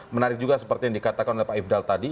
menarik juga seperti yang dikatakan oleh pak ifdal tadi